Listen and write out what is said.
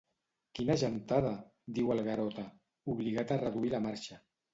Quina gentada! —diu el Garota, obligat a reduir la marxa.